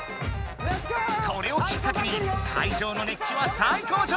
これをきっかけに会場のねっ気は最高ちょうに。